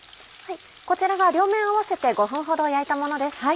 こちらが両面合わせて５分ほど焼いたものです。